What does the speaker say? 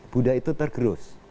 buddha itu tergerus